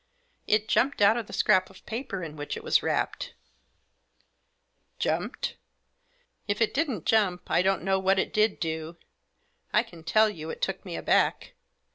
It jumped out of the scrap of paper in which it was wrapped " "Jumped?" " If it didn't jump I don't know what it did do ; I can tell you it took me aback.